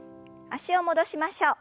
脚を戻しましょう。